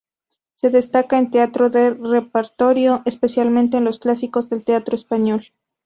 Se destaca en teatro de repertorio, especialmente en los clásicos del teatro español.